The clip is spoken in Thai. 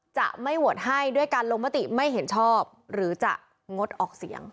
จะไม่โหวตให้ด้วยการลงมติไม่เห็นชอบหรือจะงดออกเสียง